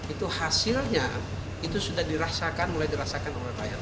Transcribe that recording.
itu hasilnya itu sudah dirasakan mulai dirasakan oleh rakyat